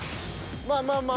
まあまあまあ。